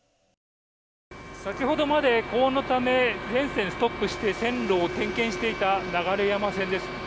先ほどまで高温のため全線ストップして線路を点検していた流山線です。